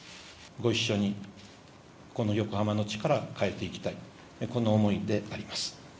ご一緒に、この横浜の地から変えていきたい、この思いであります。